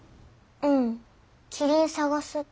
うんキリン探すって。